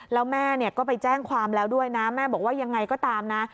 แล้วแม่ก็ไปแจ้งความแล้วด้วยนะแม่บอกว่ายังไงก็ตามนะ